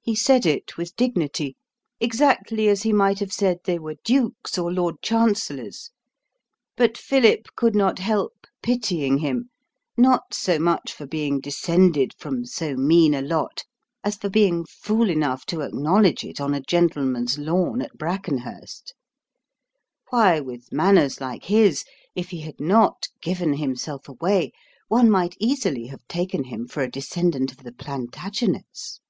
He said it with dignity, exactly as he might have said they were dukes or lord chancellors; but Philip could not help pitying him, not so much for being descended from so mean a lot, as for being fool enough to acknowledge it on a gentleman's lawn at Brackenhurst. Why, with manners like his, if he had not given himself away, one might easily have taken him for a descendant of the Plantagenets.